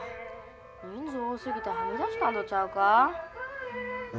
人数多すぎてはみ出したんとちゃうか？